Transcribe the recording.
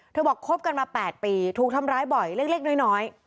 บอกคบกันมา๘ปีถูกทำร้ายบ่อยเล็กน้อย